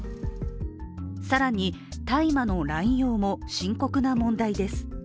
更に、大麻の乱用も深刻な問題です。